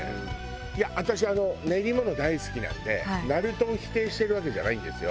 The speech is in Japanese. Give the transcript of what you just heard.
いや私練り物大好きなんでナルトを否定してるわけじゃないんですよ。